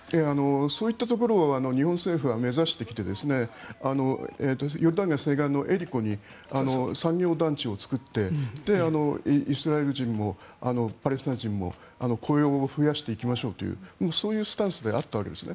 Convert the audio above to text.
そういったところを日本政府は目指してきてヨルダン川西岸に産業団地を作ってイスラエル人もパレスチナ人も雇用を増やしていきましょうというそういうスタンスであったわけです。